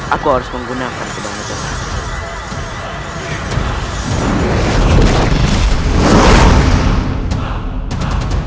aku harus menggunakan kebanggaan tersebut